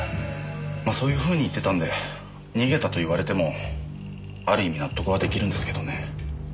まあそういうふうに言ってたんで逃げたと言われてもある意味納得はできるんですけどね。